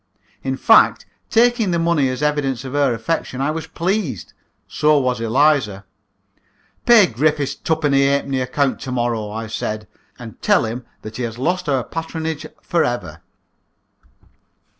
In fact, taking the money as evidence of her affection, I was pleased. So was Eliza. "Pay Griffiths's twopenny halfpenny account to morrow," I said, "and tell him that he has lost our patronage for ever."